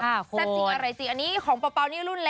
แซ่บจริงอะไรจริงอันนี้ของเปล่านี่รุ่นเล็ก